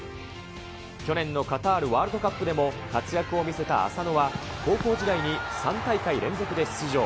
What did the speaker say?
去年のカタールワールドカップでも、活躍を見せた浅野は、高校時代に３大会連続で出場。